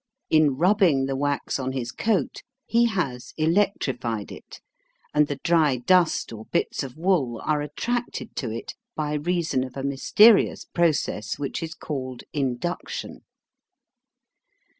In rubbing the wax on his coat he has electrified it, and the dry dust or bits of wool are attracted to it by reason of a mysterious process which is called "induction."